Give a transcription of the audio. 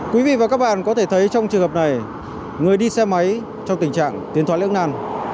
quý vị và các bạn có thể thấy trong trường hợp này người đi xe máy trong tình trạng tiền thoại lưỡng nàn